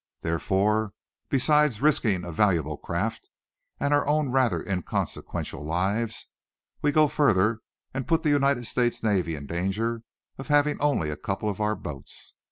Therefore, besides risking a valuable craft and our own rather inconsequential lives, we go further and put the United States Navy in danger of having only a couple of our boats.